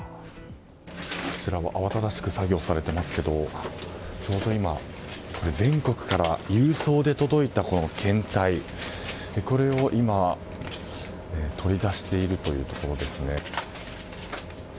こちら、慌ただしく作業されていますけどちょうど今全国から郵送で届いた検体を今、取り出しているところですね。